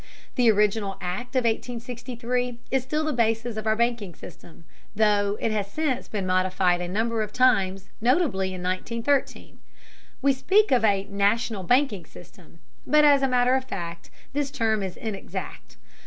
The original act of 1863 is still the basis of our banking system, though it has since been modified a number of times, notably in 1913. We speak of a "national banking system," but as a matter of fact this term is inexact.